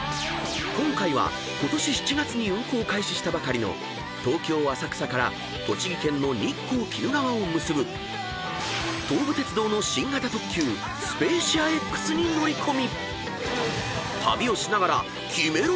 ［今回はことし７月に運行を開始したばかりの東京浅草から栃木県の日光・鬼怒川を結ぶ東武鉄道の新型特急スペーシアＸに乗り込み旅をしながらキメろ！